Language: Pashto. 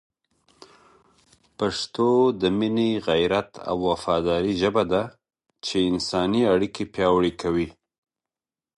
پښتو د مینې، غیرت او وفادارۍ ژبه ده چي انساني اړیکي پیاوړې کوي.